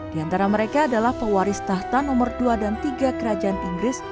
di antara mereka adalah pewaris tahta nomor dua dan tiga kerajaan inggris